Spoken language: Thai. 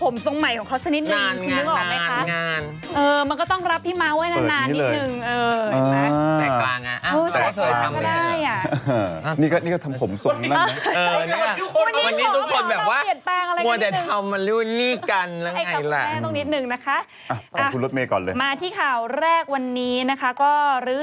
แม่กล้องเขาต้องรับพี่ม้ากับผมทรงใหม่ของเขาสักนิดหนึ่ง